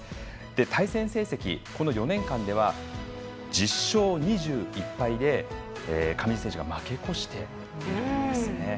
対戦成績、この４年間では１０勝２１敗で上地選手が負け越しているんですね。